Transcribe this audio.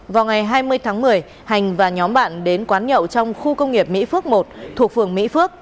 vào ngày hai mươi tháng một mươi hành và nhóm bạn đến quán nhậu trong khu công nghiệp mỹ phước một thuộc phường mỹ phước